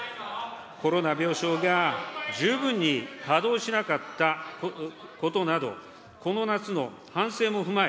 コロナ病床が十分に稼働しなかったことなど、この夏の反省も踏まえ、